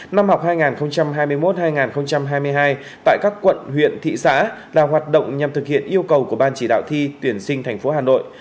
năm học hai nghìn hai mươi một hai nghìn hai mươi hai tại các quận huyện thị xã là hoạt động nhằm thực hiện yêu cầu của ban chỉ đạo thi tuyển sinh thành phố hà nội